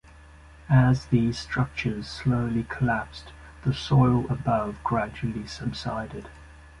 As these structures slowly collapsed, the soil above gradually subsided.